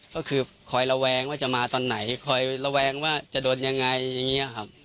ก็คือคอยระแวงว่าจะมาตอนไหนคอยระแวงว่าจะโดนยังไงอย่างนี้ครับ